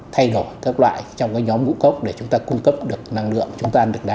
thay đổi các loại trong cái nhóm ngũ gốc để chúng ta cung cấp được năng lượng chúng ta ăn được đa